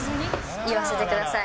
言わせてください。